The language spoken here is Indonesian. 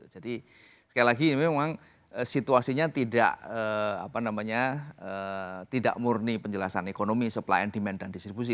jadi sekali lagi memang situasinya tidak murni penjelasan ekonomi supply and demand dan distribusi